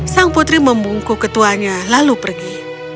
sang putri membungku ketuanya lalu pergi